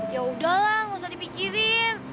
yaudah lah gausah dipikirin